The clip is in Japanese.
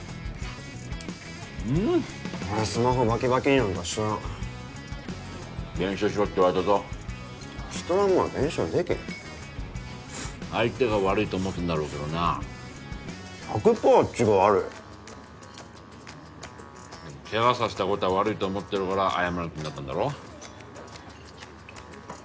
うんっ俺スマホバキバキになんかしとらん弁償しろって言われたぞしとらんもんは弁償できん相手が悪いと思ってんだろうけどな１００パーあっちが悪いケガさせたことは悪いと思ってるから謝る気になったんだろ？